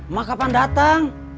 mak kapan datang